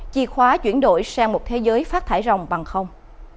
chì khóa chuyển đổi sang một thế giới phát thải rồng bằng không